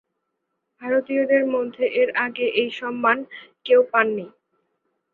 ভারতীয়দের মধ্যে এর আগে এই সম্মান কেউ পাননি।